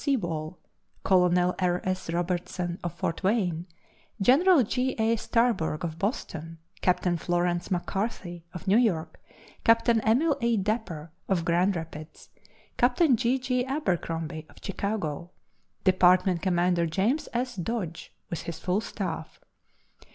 Sewall, Colonel R. S. Robertson, of Fort Wayne; General J. A. Starburg, of Boston; Captain Florence McCarthy, of New York; Captain Emil A. Dapper, of Grand Rapids; Captain J. J. Abercrombie, of Chicago; Department Commander James S. Dodge, with his full staff.